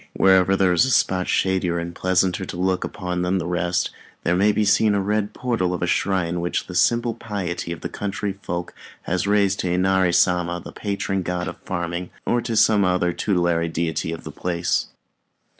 Wherever there is a spot shadier and pleasanter to look upon than the rest, there may be seen the red portal of a shrine which the simple piety of the country folk has raised to Inari Sama, the patron god of farming, or to some other tutelary deity of the place.